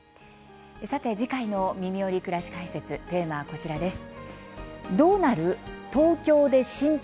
さて次回の「みみより！くらし解説」テーマは、こちらです。